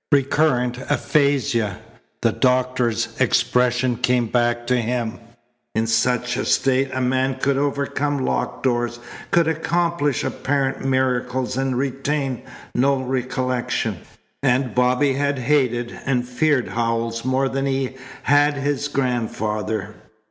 "Recurrent aphasia." The doctor's expression came back to him. In such a state a man could overcome locked doors, could accomplish apparent miracles and retain no recollection. And Bobby had hated and feared Howells more than he had his grandfather.